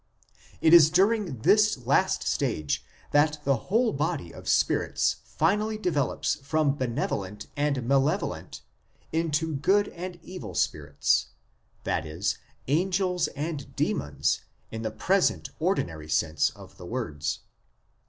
It is during this last stage that the whole body of spirits finally develops from benevolent and malevolent into good and evil spirits, i.e. angels and demons in the present ordinary sense of the words.